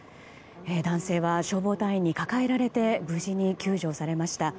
男性は消防隊員に抱えられて無事に救助されました。